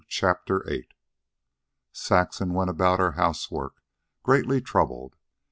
CHAPTER VIII Saxon went about her housework greatly troubled.